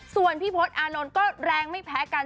ส่วนพี่พศอานนท์ก็แรงไม่แพ้กัน